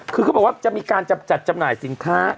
คือเขาบอกว่าจะมีการจัดจำหน่ายสินค้า